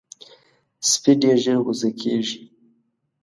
سپي ډېر ژر غصه کېږي.